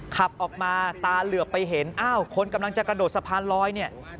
ขับออกมาตาเหลือไปเห็นอ้าวคนกำลังจะกระโดดสะพานลอยเนี่ย